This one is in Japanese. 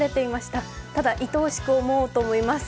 ただ、いとおしく思おうと思います。